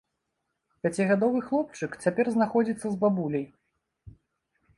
Пяцігадовы хлопчык цяпер знаходзіцца з бабуляй.